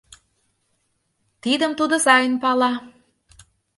Тидым тудо сайын пала.